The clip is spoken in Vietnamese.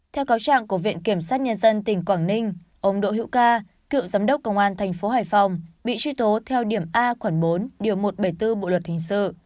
theo cáo trạng của viện kiểm sát nhân dân tỉnh quảng ninh ông đỗ hữu ca cựu giám đốc công an tp hải phòng bị truy tố theo điểm a khoảng bốn điều một trăm bảy mươi bốn bộ luật hình sự